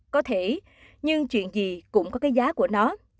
có thể nhưng chuyện gì cũng có cái giá của nó